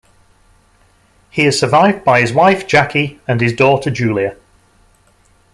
He is survived by his wife, Jaquie, and his daughter, Julia.